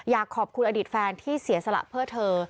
อยากขอบคุณอดีตแฟนที่เสียสละเพื่อเธอ